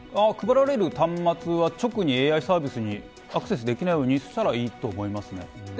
配られる端末は直にＡＩサービスにアクセスできないようにしたらいいと思いますね。